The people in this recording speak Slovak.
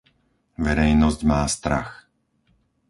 Verejnosť má strach.